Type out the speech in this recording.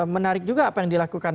menarik juga apa yang dilakukan